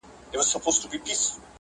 • شپه د چيغو شاهده وي,